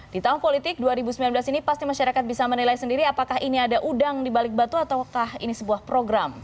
di tahun politik dua ribu sembilan belas ini pasti masyarakat bisa menilai sendiri apakah ini ada udang di balik batu ataukah ini sebuah program